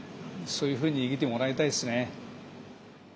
そういうふうに生きてもらいたいですね。